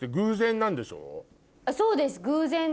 そうです。